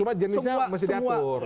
cuma jenisnya masih diatur